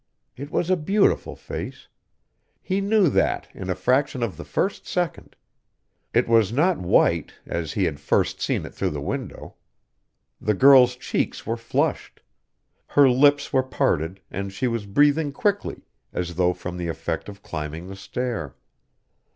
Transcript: It was a beautiful face. He knew that in a fraction of the first second. It was not white, as he had first seen it through the window. The girl's cheeks were flushed. Her lips were parted, and she was breathing quickly, as though from the effect of climbing the stair.